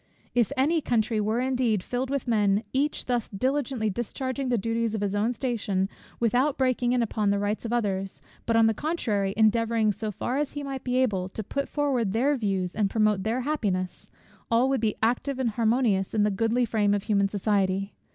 If any country were indeed filled with men, each thus diligently discharging the duties of his own station without breaking in upon the rights of others, but on the contrary endeavouring, so far as he might be able, to forward their views and promote their happiness; all would be active and harmonious in the goodly frame of human society.